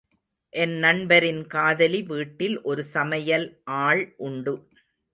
என் நண்பரின் காதலி வீட்டில் ஒரு சமையல் ஆள் உண்டு.